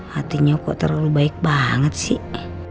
hatinya kok terlalu baik banget sih